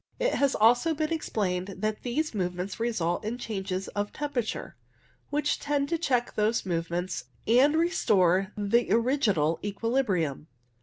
It has also been explained that these movements result in changes of temperature, which tend to check those move ments and restore the original equilibrium.